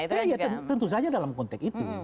iya tentu saja dalam konteks itu